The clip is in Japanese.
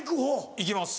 行きます。